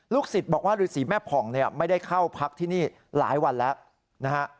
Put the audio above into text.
ศิษย์บอกว่าฤษีแม่ผ่องเนี่ยไม่ได้เข้าพักที่นี่หลายวันแล้วนะฮะ